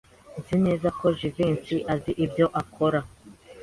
Nzi neza ko Jivency azi ibyo akora.